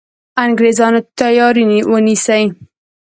انګرېزانو تیاری ونیسي.